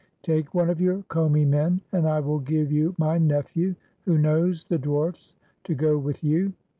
Take one of your Commi men, and I will give you my nephew, who knows the dwarfs, to go with you.